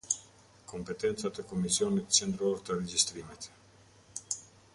Kompetencat e Komisionit Qendror të Regjistrimit.